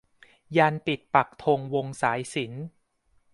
ยันต์ปิดปักธงวงสายสิญจน์